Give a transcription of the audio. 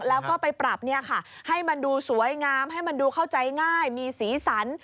แล้วก็ไปปรับให้มันดูสวยงามให้มันดูเข้าใจง่ายมีสีสัน